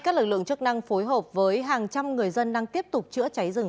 các lực lượng chức năng phối hợp với hàng trăm người dân đang tiếp tục chữa cháy rừng